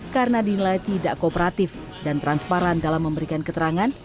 karena dinilai tidak kooperatif dan transparan dalam memberikan keterangan